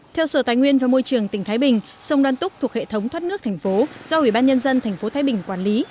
theo sở tài nguyên và môi trường tỉnh thái bình sông đoan túc thuộc hệ thống thoát nước thành phố do ủy ban nhân dân tp thái bình quản lý